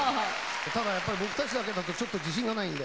ただやっぱり僕たちだけだとちょっと自信がないんで。